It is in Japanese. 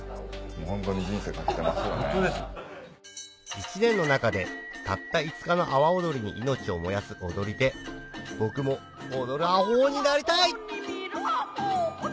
一年の中でたった５日の阿波おどりに命を燃やす踊り手僕も踊るあほうになりたい！